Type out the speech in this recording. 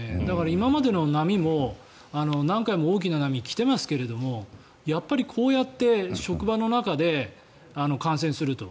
今までの波も何回も大きな波が来てますがこうやって職場の中で感染すると。